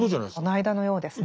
この間のようですね。